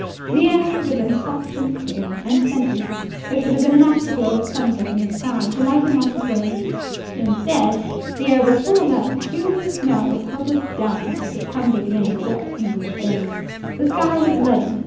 The air should have been soft and clear and scented: there should have been an afterglow of sunset in the sky to light him on his way. Instead, the air was full of that peculiar smell of hopeless dampness which comes at the end of a wet English day. The sky was leaden.